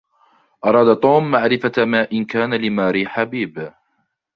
أراد توم معرفة ما إن كان لِماري حبيب.